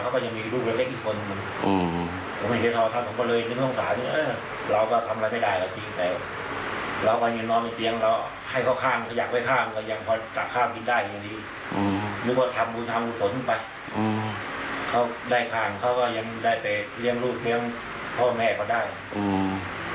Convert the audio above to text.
เขาได้ข่างเขาก็ยังได้ไปเลี้ยงรูปเพียงพ่อแม่ก็ได้